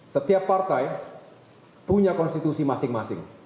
setiap partai punya konstitusi masing masing